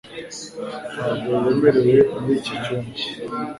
Ntabwo wemerewe muri iki cyumba